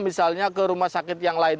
misalnya ke rumah sakit yang lain